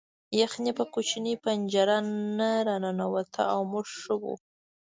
یخني په کوچنۍ پنجره نه راننوته او موږ ښه وو